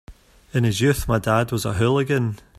In his youth my dad was a hooligan.